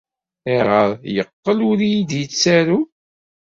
Ayɣer ay yeqqel ur iyi-d-yettaru?